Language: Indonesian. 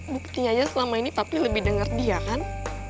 buktinya aja selama ini papi lebih denger dia kan